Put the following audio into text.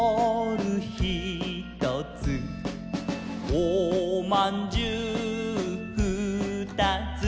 「おまんじゅうふーたつ」